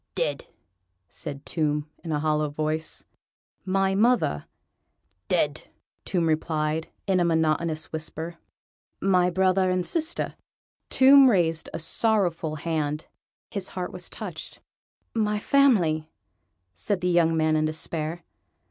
"Dead," said Tomb, in a hollow voice. "My mother ..." "Dead," Tomb replied, in a monotonous whisper. "My brother and sister ..." Tomb raised a sorrowful hand: his heart was touched. "My family ..." said the young man in despair.